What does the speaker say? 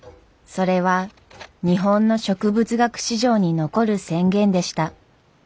それは日本の植物学史上に残る宣言でした。